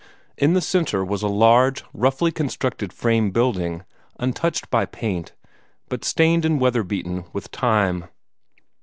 In the centre was a large, roughly constructed frame building, untouched by paint, but stained and weather beaten with time.